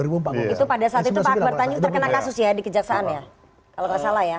itu pada saat itu pak akbar tanjung terkena kasus ya di kejaksaan ya kalau nggak salah ya